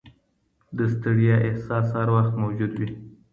د ستړیا احساس هر وخت موجود وي.